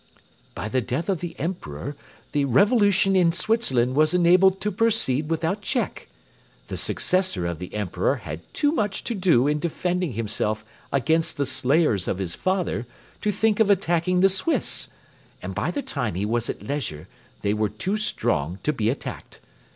By the death of the Emperor the revolution in Switzerland was enabled to proceed without check. The successor of the Emperor had too much to do in defending himself against the slayers of his father to think of attacking the Swiss, and by the time he was at leisure they were too strong to be attacked.